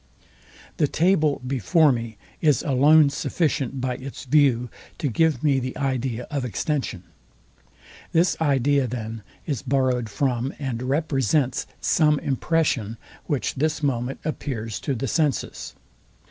The table before me is alone sufficient by its view to give me the idea of extension. This idea, then, is borrowed from, and represents some impression, which this moment appears to the senses.